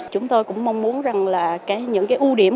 chúng tôi cũng mong muốn rằng là những cái ưu điểm